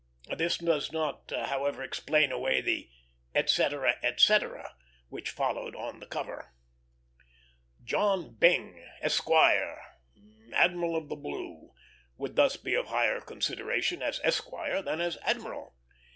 This does not, however, explain away the "etc., etc.," which followed on the cover. John Byng, Esquire, Admiral of the Blue, would thus be of higher consideration as Esquire than as Admiral.